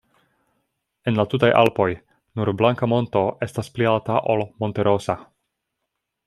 En la tutaj Alpoj, nur Blanka Monto estas pli alta ol Monte-Rosa.